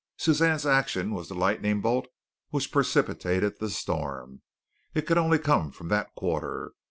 Suzanne's action was the lightning bolt which precipitated the storm. It could only come from that quarter.